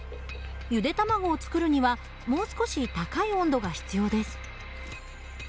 ゆで卵を作るにはもう少し高い温度が必要です。